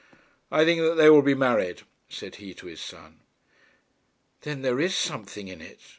'I think that they will be married,' said he to his son. 'Then there is something in it?'